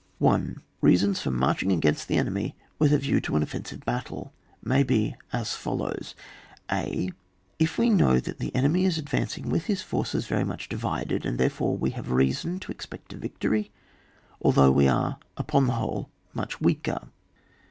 1. Beasons for marching against the enemy with a view to an offensive battle, may be as follows :— {a) If we know that the enemy is ad vancing with his forces very much divi ded, and therefore we have reason to expect a victory, although we are, upon the whole, much weaker.